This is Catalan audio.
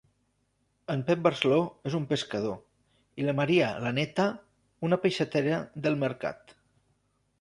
En Pep Barceló és un pescador i la Maria la Néta una peixatera del mercat.